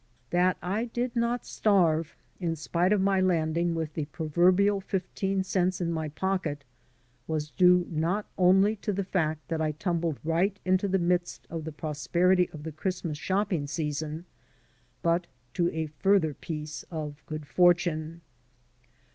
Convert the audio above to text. That I did not starve, in spite of my landing with the proverbial fifteen cents in my pocket, • was due not only to the fact that I tumbled right into the midst of the prosperity of the Christmas shopping season, but to a fiu*ther piece of good fortune.